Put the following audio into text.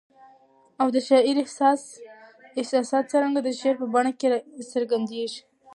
او د شاعر احساسات څرنګه د شعر په بڼه کي را څرګندیږي؟